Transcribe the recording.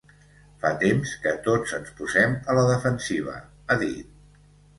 Fa temps que tots ens posem a la defensiva, ha dit.